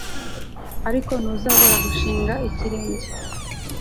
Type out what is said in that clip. ariko ntuzabura gushinga ikirenge